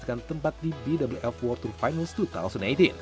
mendapatkan tempat di bwf world tour finals dua ribu delapan belas